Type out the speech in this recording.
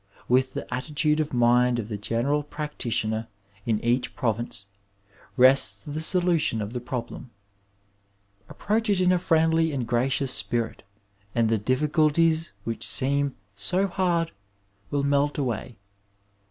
With the attitude of mind of the general prac titioner in each province rests the solution of the problem. Approach it in a friendly and gracious spirit and the diffi culties which seem so hard will melt away.